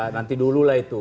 nanti dululah itu